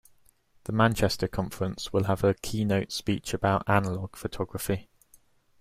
The Manchester conference will have a keynote speech about analogue photography.